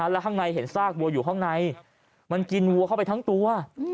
แล้วข้างในเห็นซากวัวอยู่ข้างในมันกินวัวเข้าไปทั้งตัว